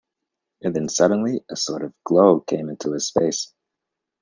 And then suddenly a sort of glow came into his face.